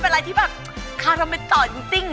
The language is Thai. เป็นอะไรที่แบบคาราเมตต่อจริง